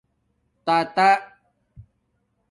تاتآ